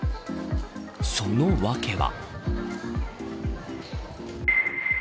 その訳は。